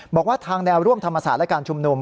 บอกว่าทางแนวร่วมธรรมศาสตร์และการชุมนุม